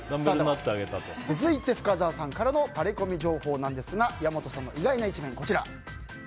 続いて、深澤さんからのタレコミ情報ですが岩本さんの意外な一面、こちら。